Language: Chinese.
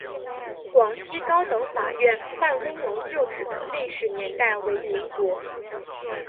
广西高等法院办公楼旧址的历史年代为民国。